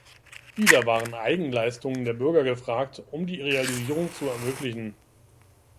Wieder waren Eigenleistungen der Bürger gefragt um die Realisierung zu ermöglichen.